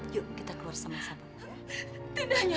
yuk kita keluar sama sama